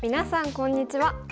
こんにちは。